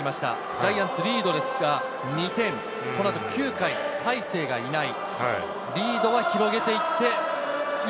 ジャイアンツリードですが、２点、このあと９回、大勢がいない。